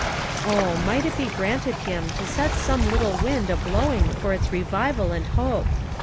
oh, might it be granted him to set some little wind a blowing for its revival and hope!